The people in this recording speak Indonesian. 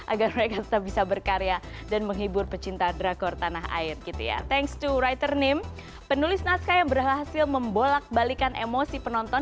agar mereka tetap bisa berkat